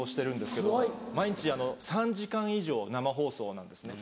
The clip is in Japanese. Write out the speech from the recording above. すごい。毎日３時間以上生放送なんですね。